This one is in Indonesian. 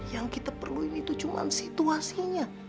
yang kita perluin itu cuma situasinya